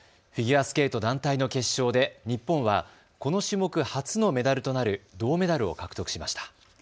フィギュアスケート団体の決勝で日本はこの種目初のメダルとなる銅メダルを獲得しました。